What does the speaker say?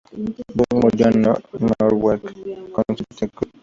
Young murió en Norwalk, Connecticut.